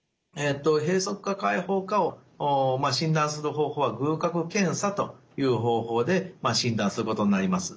閉塞か開放かを診断する方法は隅角検査という方法で診断することになります。